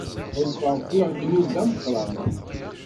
Ḥulfaɣ wwiɣ ddnub d ameqqran.